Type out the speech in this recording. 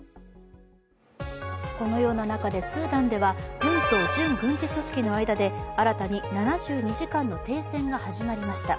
このような中でスーダンは軍と準軍事組織の間で新たに７２時間の停戦が始まりました。